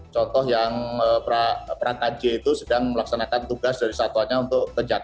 contoh yang pra kj itu sedang melaksanakan tugas dari satuannya untuk ke jakarta